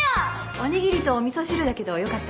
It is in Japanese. おにぎりとお味噌汁だけどよかったら。